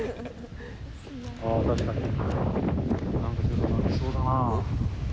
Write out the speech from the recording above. なんかちょっと泣きそうだな。